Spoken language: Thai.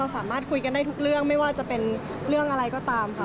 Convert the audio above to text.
สามารถคุยกันได้ทุกเรื่องไม่ว่าจะเป็นเรื่องอะไรก็ตามค่ะ